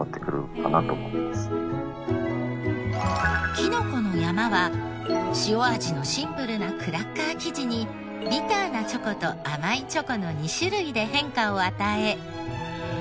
きのこの山は塩味のシンプルなクラッカー生地にビターなチョコと甘いチョコの２種類で変化を与え。